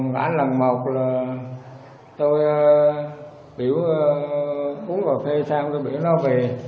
lần lần một là tôi uống cà phê xong tôi biểu nó về